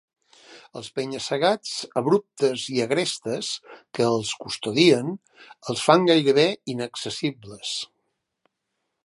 Els penya-segats abruptes i agrestes que els custodien les fan gairebé inaccessibles.